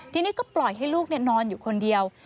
ทีนี้ก็ปล่อยให้ลูกนอนอยู่คนเดียว